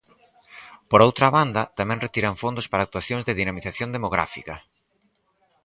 Por outra banda, tamén retiran fondos para actuacións de dinamización demográfica.